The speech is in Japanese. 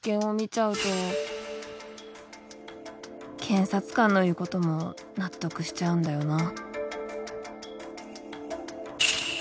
検察官の言う事も納得しちゃうんだよな。